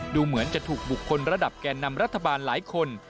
ดูเหมือนจะถูกบุคคลระดับแก่นำรัฐบาลหลายคน